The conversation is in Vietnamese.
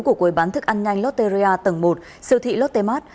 của quầy bán thức ăn nhanh lotte tầng một siêu thị lotte mart